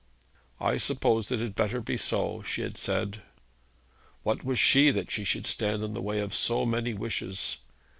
'I suppose it had better be so,' she had said. What was she that she should stand in the way of so many wishes?